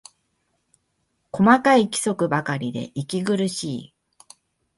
細かい規則ばかりで息苦しい